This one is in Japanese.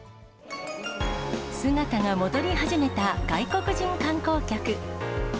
姿が戻り始めた外国人観光客。